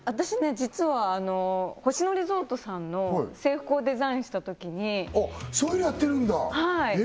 実は星野リゾートさんの制服をデザインしたときにそういうのやってるんだへえ